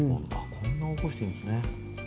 こんなおこしていいんですね。